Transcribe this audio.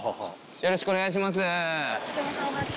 よろしくお願いします。